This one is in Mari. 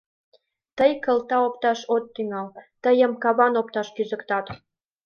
Тый кылта опташ от тӱҥал, тыйым каван опташ кӱзыктат...